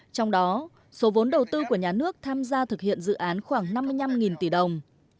trong đó số vốn đầu tư của nhà nước tham gia thực hiện dự án khoảng năm mươi năm tỷ đồng